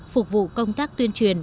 phục vụ công tác tuyên truyền